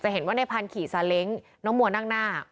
เห็นว่าในพันธุ์ขี่ซาเล้งน้องมัวนั่งหน้า